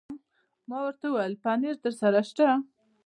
ما ورته وویل: پنیر درسره شته؟